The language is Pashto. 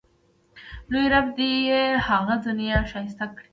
لوی رب دې یې هغه دنیا ښایسته کړي.